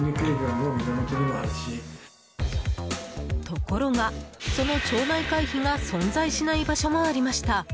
ところが、その町内会費が存在しない場所もありました。